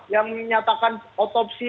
yang menyatakan otopsi